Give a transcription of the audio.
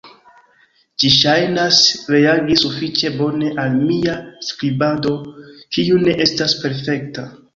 Ĝi ŝajnas reagi sufiĉe bone al mia skribado, kiu ne estas perfekta.